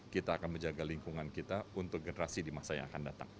kita akan menjaga lingkungan kita untuk generasi di masa yang akan datang